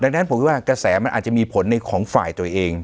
ดังนั้นผมคิดว่ากระแสมันอาจจะมีผลในของฝ่ายตัวเอง